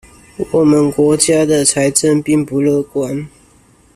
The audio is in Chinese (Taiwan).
我們國家的財政並不樂觀